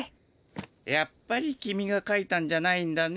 やっぱりキミがかいたんじゃないんだね？